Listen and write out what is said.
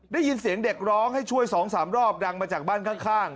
ได้ยินเสียงเด็กร้องให้ช่วย๒๓รอบดังมาจากบ้านข้าง